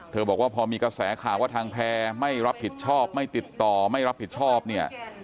บอกว่าพอมีกระแสข่าวว่าทางแพร่ไม่รับผิดชอบไม่ติดต่อไม่รับผิดชอบเนี่ย